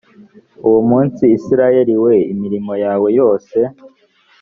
uwo munsi isirayeli we imirimo yawe yose